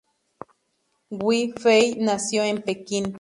Wu Fei nació en Pekín.